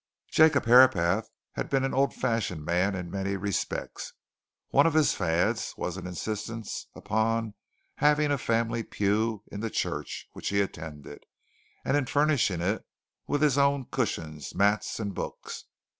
Jacob Herapath had been an old fashioned man in many respects; one of his fads was an insistence upon having a family pew in the church which he attended, and in furnishing it with his own cushions, mats, and books.